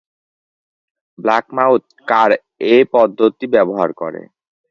ব্ল্যাকমাউথ কার্ এই পদ্ধতি ব্যবহার করে।